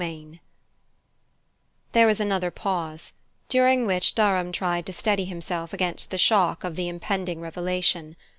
X There was another pause, during which Durham tried to steady himself against the shock of the impending revelation.